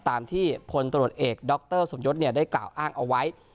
ตามที่ภนตรวจเอกดอคเตอร์สงยศได้เปล่าอ้างออกไว้